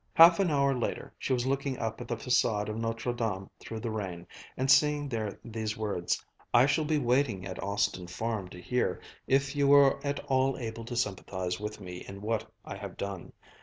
Half an hour later she was looking up at the façade of Notre Dame through the rain, and seeing there these words: "I shall be waiting at Austin Farm to hear if you are at all able to sympathize with me in what I have done.